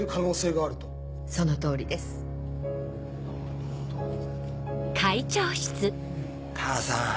・なるほど・母さん。